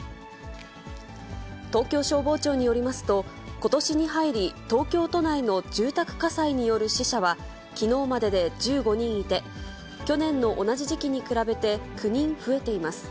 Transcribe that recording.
東京消防庁によりますと、ことしに入り、東京都内の住宅火災による死者はきのうまでで１５人いて、去年の同じ時期に比べて９人増えています。